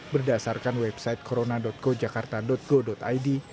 berdasarkan website corona gojakarta go id